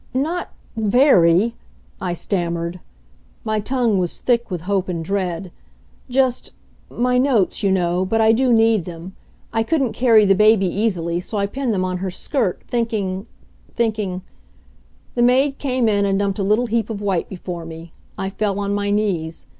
"Not very," I stammered. My tongue was thick with hope and dread. "Just my notes, you know, but I do need them. I couldn't carry the baby easily, so I pinned them on her skirt, thinking thinking " The maid came in and dumped a little heap of white before me. I fell on my knees.